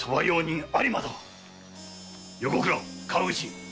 横倉川口！